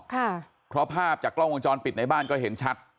ค่ะเพราะภาพจากกล้องวงจรปิดในบ้านก็เห็นชัด